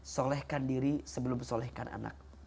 solehkan diri sebelum solehkan anak